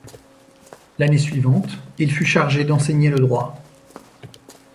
L’année suivante, il fut chargé d’enseigner le droit.